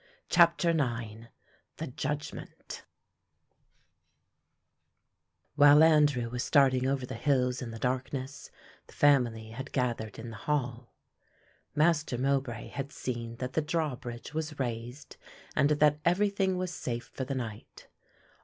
CHAPTER IX THE JUDGMENT While Andrew was starting over the hills in the darkness, the family had gathered in the hall. Master Mowbray had seen that the drawbridge was raised and that everything was safe for the night.